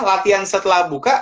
latihan setelah buka